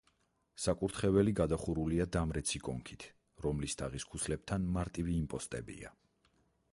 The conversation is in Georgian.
საკურთხეველი გადახურულია დამრეცი კონქით, რომლის თაღის ქუსლებთან მარტივი იმპოსტებია.